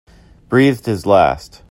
Breathed his last